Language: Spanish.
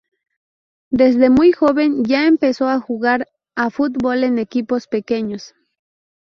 Desde muy joven ya empezó a jugar a fútbol en equipos pequeños.